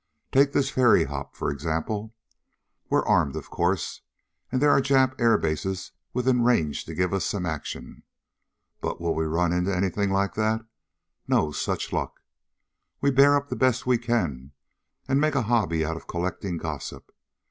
Take this ferry hop, for example. We're armed, of course, and there are Jap air bases within range to give us some action. But will we run into anything like that? No such luck. So we bear up the best we can, and make a hobby of collecting gossip.